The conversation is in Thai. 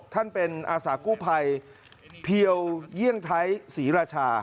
ท่านเป็นอาสากู้ภัยเพียวเยี่ยงไทยศรีราชา